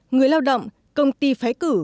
người lao động công ty phái cử